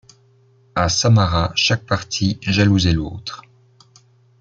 À Samarra chaque parti jalousait l'autre.